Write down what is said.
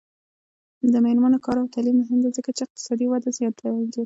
د میرمنو کار او تعلیم مهم دی ځکه چې اقتصادي وده زیاتوي.